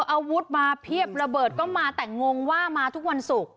อาวุธมาเพียบระเบิดก็มาแต่งงว่ามาทุกวันศุกร์